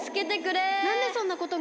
なんでそんなことに？